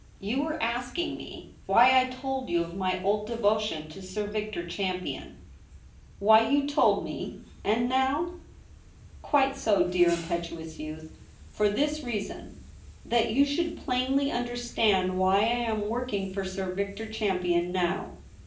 You were asking me why I told you of my old devotion to Sir Victor Champion ?'* Why you told me — and now ?'' Quite so, dear impetuous youth. For this reason — that }0u should plainly understand why I am working for Sir Victor Champion now.